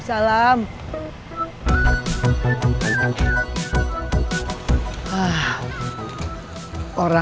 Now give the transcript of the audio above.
seriously kimchi untuk siapa